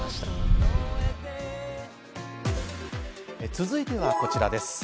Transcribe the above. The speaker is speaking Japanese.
続いては、こちらです。